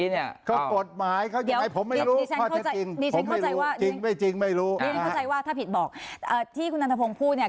นี่ฉันเข้าใจว่าถ้าผิดบอกที่คุณนัทพงศ์พูดเนี่ย